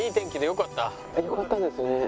よかったですね。